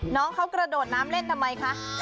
น้องเขากระโดดน้ำเล่นทำไมคะ